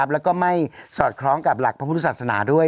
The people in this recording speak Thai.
แล้วก็ไม่สอดคล้องกับหลักพระพุทธศาสนาด้วย